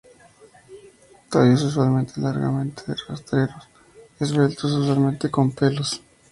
Tallos usualmente largamente rastreros, esbeltos, usualmente con pelos.